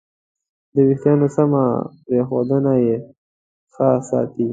د وېښتیانو سمه پرېښودنه یې ښه ساتي.